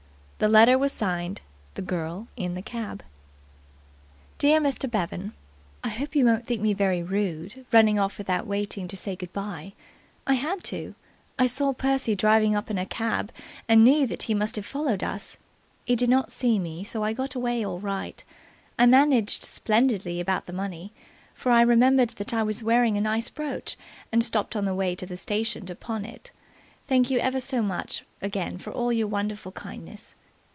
The letter was signed "The Girl in the Cab." "DEAR MR. BEVAN, "I hope you won't think me very rude, running off without waiting to say good bye. I had to. I saw Percy driving up in a cab, and knew that he must have followed us. He did not see me, so I got away all right. I managed splendidly about the money, for I remembered that I was wearing a nice brooch, and stopped on the way to the station to pawn it. "Thank you ever so much again for all your wonderful kindness.